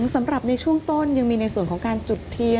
สำหรับในช่วงต้นยังมีในส่วนของการจุดเทียน